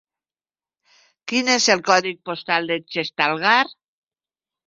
Quin és el codi postal de Xestalgar?